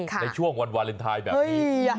ในช่วงวันวาเลนไทยแบบนี้